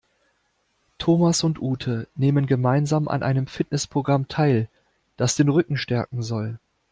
Thomas und Ute nehmen gemeinsam an einem Fitnessprogramm teil, das den Rücken stärken soll.